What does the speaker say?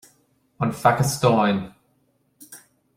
An Phacastáin